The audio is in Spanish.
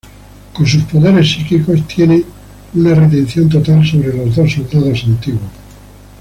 Con sus poderes psíquicos, tienen una retención total sobre los dos soldados antiguos.